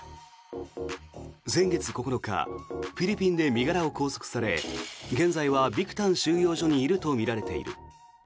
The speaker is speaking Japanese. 先月９日フィリピンで身柄を拘束され現在はビクタン収容所にいるとみられている。